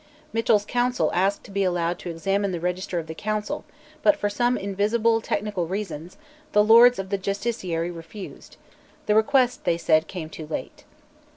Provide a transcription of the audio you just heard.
Mitchell's counsel asked to be allowed to examine the Register of the Council, but, for some invisible technical reasons, the Lords of the Justiciary refused; the request, they said, came too late.